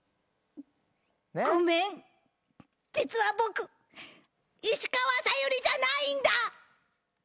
ごめん実は僕石川さゆりじゃないんだ！